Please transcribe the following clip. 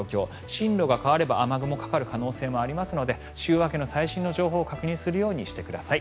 進路が変われば雨雲がかかる可能性もありますので週明けの最新の情報を確認するようにしてください。